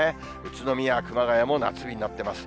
宇都宮、熊谷も夏日になってます。